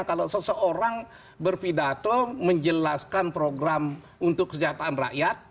kalau seseorang berpidato menjelaskan program untuk kesejahteraan rakyat